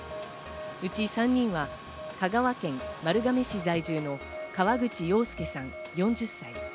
うち３人は香川県丸亀市在住の河口洋介さん、４０歳。